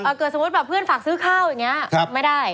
เกิดสมมุติแบบเพื่อนฝากซื้อข้าวอย่างนี้ไม่ได้